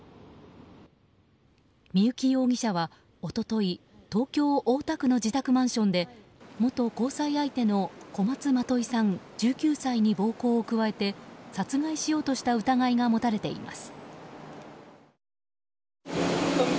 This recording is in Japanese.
三幸容疑者は一昨日東京・大田区の自宅マンションで元交際相手の小松まといさん、１９歳に暴行を加えて殺害しようとした疑いが持たれています。